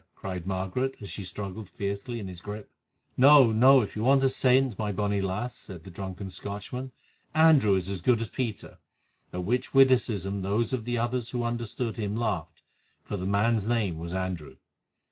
cried Margaret as she struggled fiercely in his grip. "No, no, if you want a saint, my bonny lass," said the drunken Scotchman, "Andrew is as good as Peter," at which witticism those of the others who understood him laughed, for the man's name was Andrew.